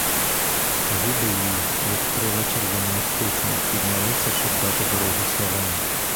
Губи їй, як крила червоної птиці, піднялися, щоб дати дорогу словам.